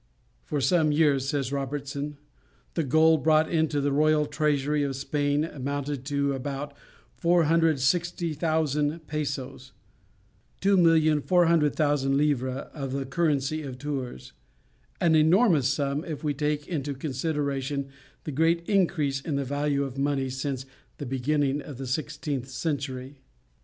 "For some years," says Robertson, "the gold brought into the royal treasury of Spain amounted to about 460,000 pesos (2,400,000 livres of the currency of Tours) an enormous sum if we take into consideration the great increase in the value of money since the beginning of the sixteenth century."